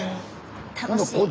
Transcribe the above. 楽しい！